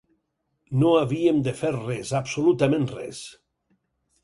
No havíem de fer res, absolutament res!